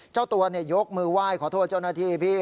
เจ้าตัวยกมือไหว้ขอโทษเจ้าหน้าที่พี่